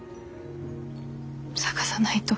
捜さないと。